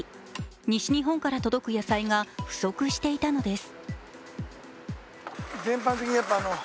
西日本から届く野菜が不足していたのです。